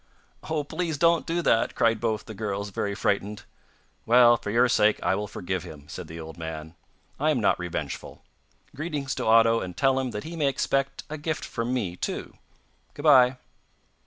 'Oh, please don't do that,' cried both the girls, very frightened. 'Well, for your sake I will forgive him,' said the old man, 'I am not revengeful. Greetings to Otto and tell him that he may expect a gift from me, too. Good bye.